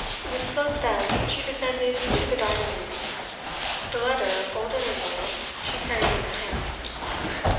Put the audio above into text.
With slow step she descended to the dining room. The letter, folded and rolled, she carried in her hand.